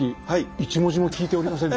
１文字も聞いておりませんでした。